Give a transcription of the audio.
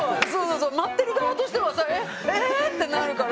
待ってる側としてはさええ⁉ってなるから。